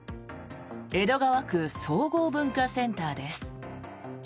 江戸川区総合文化センターです。